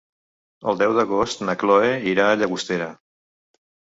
El deu d'agost na Cloè irà a Llagostera.